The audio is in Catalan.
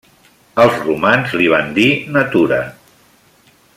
Els romans li van dir Natura.